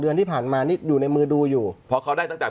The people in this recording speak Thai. เดือนที่ผ่านมานี่อยู่ในมือดูอยู่เพราะเขาได้ตั้งแต่